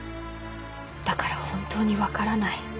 だから本当に分からない。